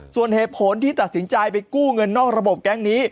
ส่วนเหตุผลที่ตัดสินใจไปกู้เงินนอกระบบแก๊งนี้